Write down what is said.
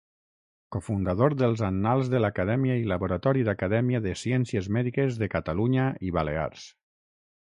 Cofundador dels annals de l'Acadèmia i laboratori d'Acadèmia de Ciències Mèdiques de Catalunya i Balears.